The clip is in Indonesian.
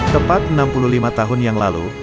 tepat enam puluh lima tahun yang lalu